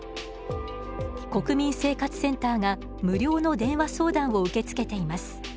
国民生活センターが無料の電話相談を受け付けています。